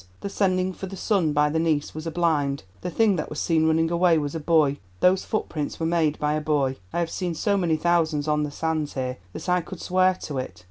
The sending for the son by the niece was a blind. The thing that was seen running away was a boy—those footprints were made by a boy. I have seen so many thousands on the sands here that I could swear to it.